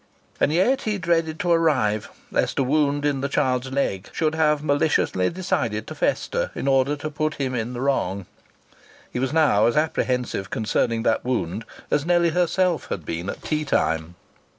And yet he dreaded to arrive, lest a wound in the child's leg should have maliciously decided to fester in order to put him in the wrong. He was now as apprehensive concerning that wound as Nellie herself had been at tea time.